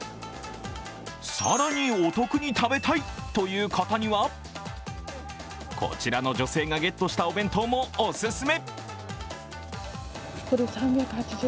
更にお得に食べたいという方には、こちらの女性がゲットしたお弁当もお勧め。